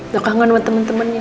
gak kangen sama temen temennya